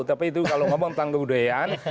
tapi itu kalau ngomong tentang kebudayaan